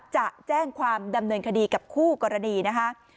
จะแจ้งความดำเนินคดีกับคู่กรณีนะคะ